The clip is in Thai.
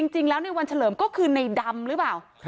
จริงแล้วในวันเฉลิมก็คือในดำหรือเปล่า